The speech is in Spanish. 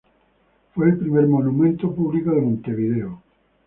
Fue el primer monumento público de Montevideo.